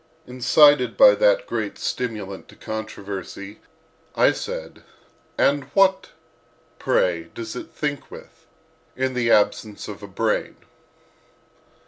Incited by that great stimulant to controversy, I said: "And what, pray, does it think with—in the absence of a brain?"